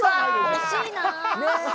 惜しいなあ。